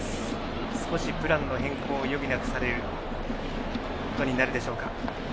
少しプラン変更を余儀なくされることになるでしょうか。